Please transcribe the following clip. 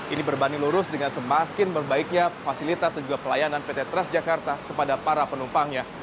ini berbanding lurus dengan semakin berbaiknya fasilitas dan juga pelayanan pt transjakarta kepada para penumpangnya